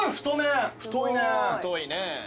太いね。